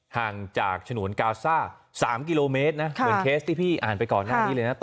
ห่างจากฉนวนกาซ่า๓กิโลเมตรนะเหมือนเคสที่พี่อ่านไปก่อนหน้านี้เลยนะ